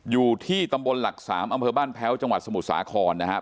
อยู่ที่ตำบลหลัก๓อำเภอบ้านแพ้วจังหวัดสมุทรสาครนะครับ